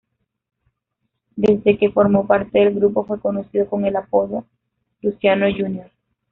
Desde que formó parte del grupo, fue conocido con el apodo "Luciano Jr.